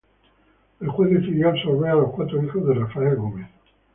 El juez decidió absolver a los cuatro hijos de Rafael Gómez.